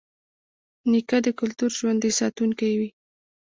نیکه د کلتور ژوندي ساتونکی وي.